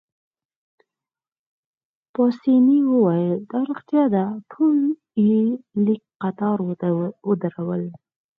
پاسیني وویل: دا ريښتیا ده، ټول يې لیک قطار ودرول.